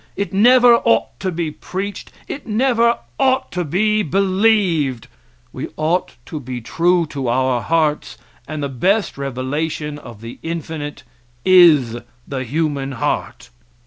It never ought to be preached; it never ought to be believed. We ought to be true to our hearts, and the best revelation of the infinite is the human heart.